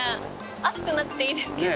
暑くなくていいですけど。